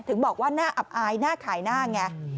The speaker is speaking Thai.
ถึงบอกว่าน่าอับอายหน้าขายหน้าไง